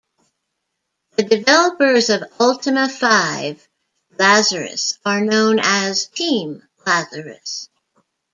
The developers of "Ultima Five: Lazarus" are known as Team Lazarus.